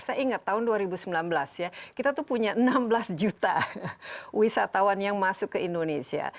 saya ingat tahun dua ribu sembilan belas ya kita tuh punya enam belas juta wisatawan yang masuk ke indonesia